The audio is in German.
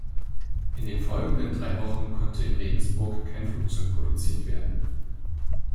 In den folgenden drei Wochen konnte in Regensburg kein Flugzeug produziert werden.